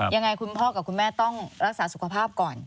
ยังไงคุณพ่อกับคุณแม่ต้องรักษาสุขภาพก่อน